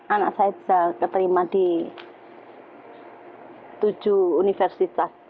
anak saya bisa keterima di tujuh universitas